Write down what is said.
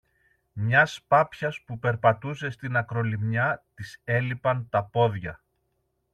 Μιας πάπιας που περπατούσε στην ακρολιμνιά της έλειπαν τα πόδια